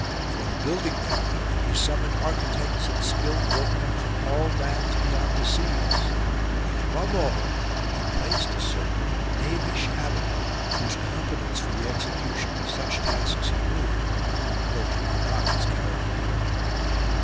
For the building thereof he summoned architects and skilled workmen from all lands beyond the seas ; and above all he placed a certain knavish abbot whose competence for the execution of such tasks he knew, though he knew not his character.